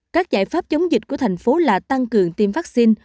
các giải pháp chống dịch của thành phố là tăng cường tiêm vaccine